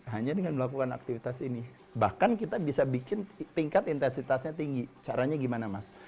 hanya dengan melakukan aktivitas ini bahkan kita bisa bikin tingkat intensitasnya tinggi caranya gimana mas